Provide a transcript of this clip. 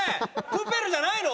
『プペル』じゃないの？